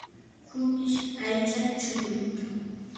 kunish aycha chukrum.